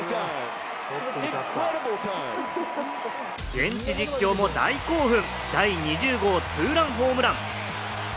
ベンチ実況も大興奮、第２０号ツーランホームラン。